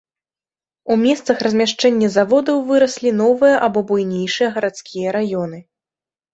У месцах размяшчэння заводаў выраслі новыя або буйнейшыя гарадскія раёны.